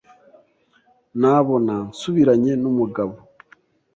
nabona nsubiranye n’umugabo